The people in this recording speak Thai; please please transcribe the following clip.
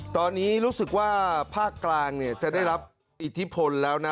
ตอนนี้รู้สึกว่าภาคกลางจะได้รับอิทธิพลแล้วนะ